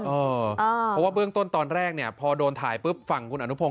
เพราะว่าเบื้องต้นตอนแรกพอโดนถ่ายฝั่งคุณอนุโพง